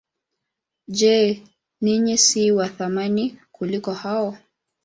Je, ninyi si wa thamani kuliko hao?